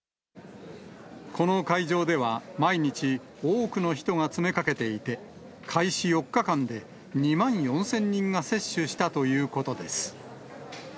この会場では、毎日多くの人が詰めかけていて、開始４日間で２万４０００人が接種したということです。